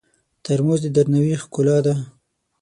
ترموز د درناوي ښکلا ده.